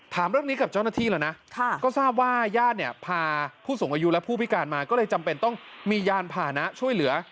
ถามเรื่องนี้กับเจ้าหน้าที่แล้วนะก็ทราบว่าญาติเนี่ยพาผู้สูงอายุและผู้พิการมาก็เลยจำเป็นต้องมียานผ่านะช่วยเหลือ